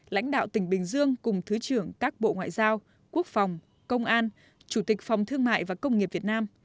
lãnh đạo tỉnh bình dương cùng thứ trưởng các bộ ngoại giao quốc phòng công an chủ tịch phòng thương mại và công nghiệp việt nam